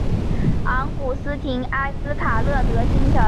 昂古斯廷埃斯卡勒德新城。